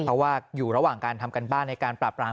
เพราะว่าอยู่ระหว่างการทำการบ้าน